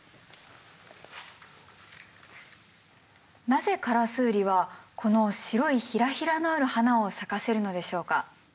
なぜカラスウリはこの白いひらひらのある花を咲かせるのでしょうか？